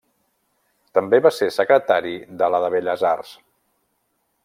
També va ser secretari de la de Belles arts.